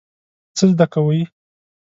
څه زده کوئ؟